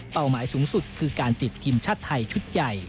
หมายสูงสุดคือการติดทีมชาติไทยชุดใหญ่